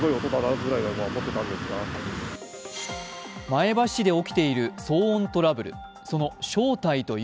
前橋市で起きている騒音トラブル。